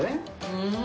うん！